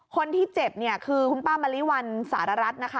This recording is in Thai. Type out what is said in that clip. คนที่เจ็บเนี่ยคือคุณป้ามะลิวัลสารรัฐนะคะ